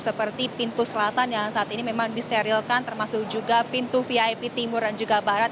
seperti pintu selatan yang saat ini memang disterilkan termasuk juga pintu vip timur dan juga barat